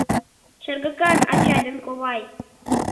«Шергакан ачай ден ковай!